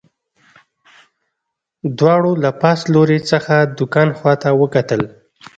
دواړو له پاس لوري څخه د کان خواته وکتل